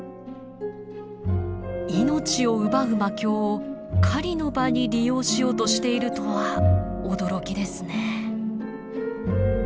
命を奪う魔境を狩りの場に利用しようとしているとは驚きですね。